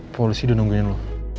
polisi udah nungguin lo